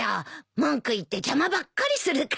文句言って邪魔ばっかりするから。